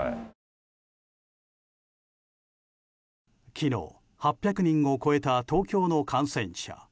昨日、８００人を超えた東京の感染者。